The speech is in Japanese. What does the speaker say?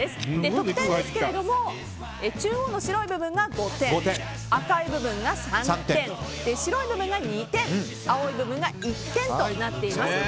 得点ですが中央の白い部分が５点赤い部分が３点、白い部分が２点青い部分が１点となっています。